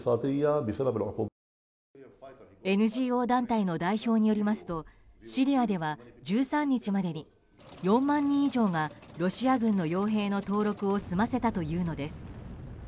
ＮＧＯ団体の代表によりますとシリアでは１３日までに４万人以上が、ロシア軍の傭兵の登録を済ませたというのです。